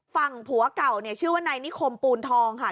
ฝั่งผัวเก่าเนี่ยชื่อว่านายนิคมปูนทองค่ะ